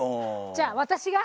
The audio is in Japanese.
じゃあ私が。